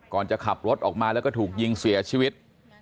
จะขับรถออกมาแล้วก็ถูกยิงเสียชีวิต